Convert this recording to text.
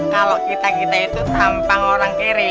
kalau kita kita itu tampang orang kere